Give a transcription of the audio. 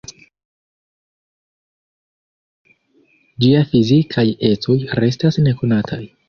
Ĝia fizikaj ecoj restas nekonataj.